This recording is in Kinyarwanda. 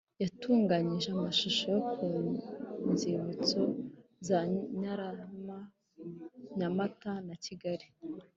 Yatunganyije amashusho yo ku nzibutso za Ntarama, Nyamata na Kigali.